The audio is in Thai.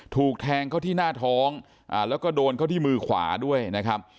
ถูกแทงเข้าที่หน้าท้องแล้วก็โดนเข้าที่มือขวาด้วยนะครับ